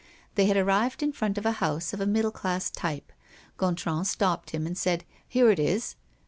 They had arrived in front of a house of a middle class type. Gontran stopped him and said: "Here it is."